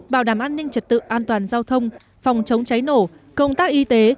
bảo đảm an ninh trật tự an toàn giao thông phòng chống cháy nổ công tác y tế